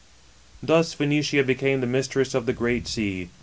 '^ Thus Phoenicia became the mistress of the Great Sea.